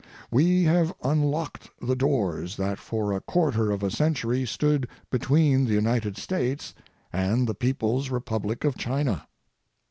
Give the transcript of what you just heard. We have unlocked the doors that for a quarter of a century stood between the United States and the People's Republic of China.